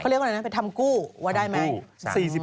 เขาเรียกอะไรนะทำกู้หรือได้ไหม